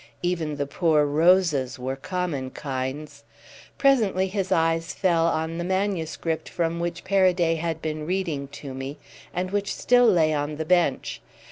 Even the poor roses were common kinds. Presently his eyes fell on the manuscript from which Paraday had been reading to me and which still lay on the bench.